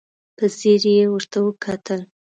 په ځير يې ورته وکتل.